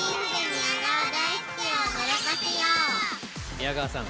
宮川さん！